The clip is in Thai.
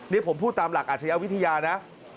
นี่ผมพูดตามหลักอาชญาวิทยานะ